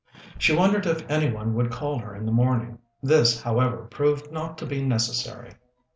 She wondered if any one would call her in the morning. This, however, proved not to be necessary.